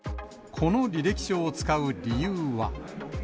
この履歴書を使う理由は。